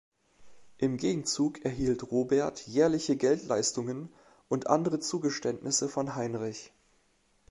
Im Gegenzug erhielt Robert jährliche Geldleistungen und andere Zugeständnisse von Heinrich.